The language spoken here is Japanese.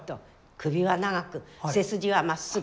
首は長く背筋はまっすぐ。